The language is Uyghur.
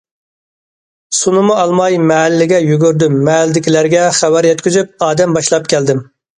سۇنىمۇ ئالماي مەھەللىگە يۈگۈردۈم مەھەللىدىكىلەرگە خەۋەر يەتكۈزۈپ ئادەم باشلاپ كەلدىم.